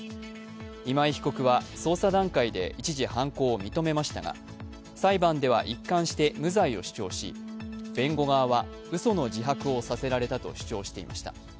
今井被告は捜査段階で一時、犯行を認めましたが、裁判では一貫して無罪を主張し、弁護側は、うその自白をさせられたと主張していました。